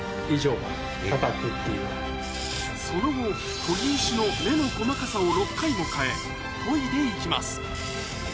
その後研ぎ石の目の細かさを６回も変え研いで行きます